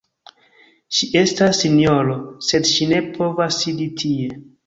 Ŝi estas, sinjoro, sed ŝi ne povas sidi tie.